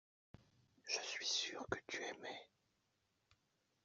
Je suis sûr que tu aimais.